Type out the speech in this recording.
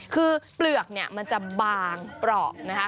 คือเปลือกเนี่ยมันจะบางเปราะนะคะ